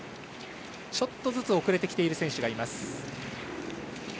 ちょっとずつ遅れてきている選手がいます。